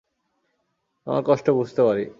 তোমার কষ্ট বুঝতে পারি।